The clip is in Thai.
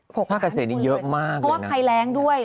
ผ้ากเกษตรีเยอะมากเลยนะเพราะว่าใครแร้งด้วย